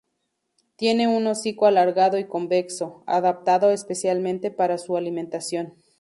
Tiene un hocico alargado y convexo, adaptado especialmente para su alimentación.